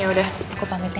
ya udah aku pamit ya